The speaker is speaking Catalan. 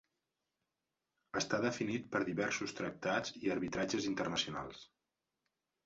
Està definit per diversos tractats i arbitratges internacionals.